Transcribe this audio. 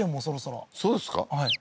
そろそろそうですか？